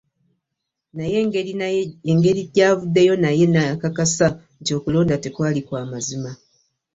“Naye engeri gy'avuddeyo naye n'akakasa nti okulonda tekwali kw'amazima"